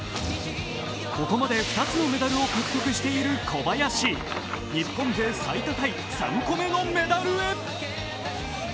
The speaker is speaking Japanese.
ここまで２つのメダルを獲得している小林、日本勢最多タイ、３個目のメダルへ。